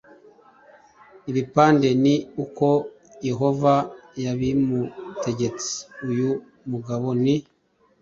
ibipande ni uko yehova yabimutegetse uyu mugabo ni